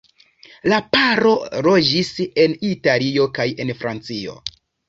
La paro loĝis en Italio kaj en Francio.